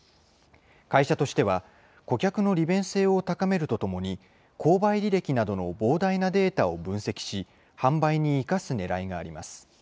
会社としては、顧客の利便性を高めるとともに、購買履歴などの膨大なデータを分析し、販売に生かすねらいがあります。